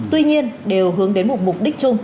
tuy nhiên đều hướng đến một mục đích chung